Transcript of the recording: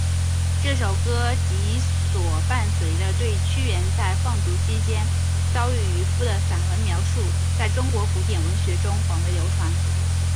这首歌及所伴随的对屈原在放逐期间遭遇渔父的散文描述在中国古典文学中广为流传。